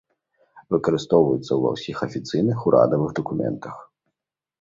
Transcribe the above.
Выкарыстоўваецца ва ўсіх афіцыйных урадавых дакументах.